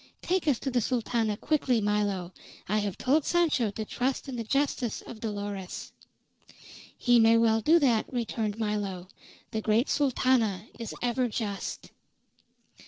"Take us to the Sultana quickly, Milo. I have told Sancho to trust in the justice of Dolores." "He may well do that," returned Milo. "The great Sultana is ever just."